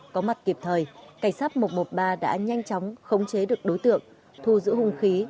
có mặt kịp thời cảnh sát một trăm một mươi ba đã nhanh chóng khống chế được đối tượng thu giữ hùng khí